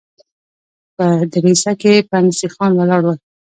په دريڅه کې پنډ سيخان ولاړ ول.